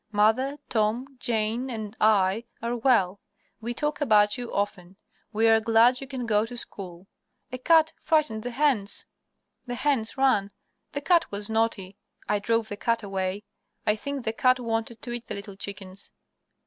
Mother, Tom, Jane and I are well. We talk about you often. We are glad you can go to school. A cat frightened the hens. The hens ran. The cat was naughty. I drove the cat away. I think the cat wanted to eat the little chickens.